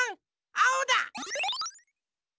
あおだ！